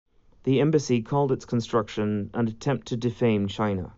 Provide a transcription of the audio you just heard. The embassy called its construction an attempt to defame China.